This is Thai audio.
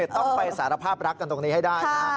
ต้องไปสารภาพรักกันตรงนี้ให้ได้นะ